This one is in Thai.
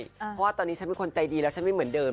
เพราะว่าตอนนี้ฉันเป็นคนใจดีแล้วฉันไม่เหมือนเดิม